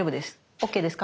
ＯＫですか？